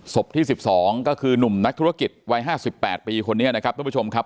ที่๑๒ก็คือหนุ่มนักธุรกิจวัย๕๘ปีคนนี้นะครับทุกผู้ชมครับ